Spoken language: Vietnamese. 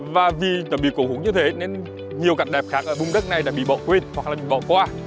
và vì đã bị cổng hút như thế nên nhiều cạnh đẹp khác ở vùng đất này đã bị bỏ quên hoặc là bị bỏ qua